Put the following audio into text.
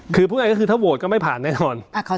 คือถ้าโหวตก็ไม่ผ่านแน่นอน